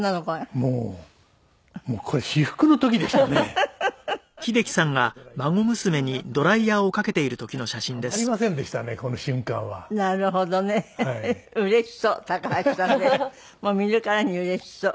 もう見るからにうれしそう。